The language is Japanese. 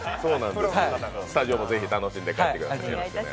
スタジオもぜひ楽しんで帰ってください。